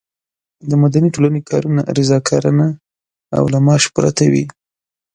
د مدني ټولنې کارونه رضاکارانه او له معاش پرته وي.